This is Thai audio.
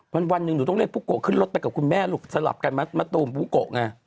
วันหนึ่งหนูต้องเรียกปุ๊กโกะขึ้นรถไปกับคุณแม่ลูกสลับกันมามะตูมบูโกะไง